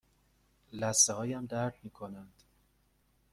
لثه هایم درد می کنند.